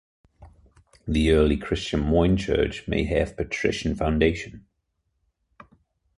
The early Christian Moyne church may have Patrician foundation.